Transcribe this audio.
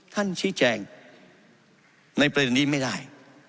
ท่านชี้แจงในประเด็นนี้ไม่ได้